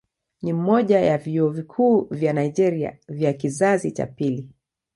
Ni mmoja ya vyuo vikuu vya Nigeria vya kizazi cha pili.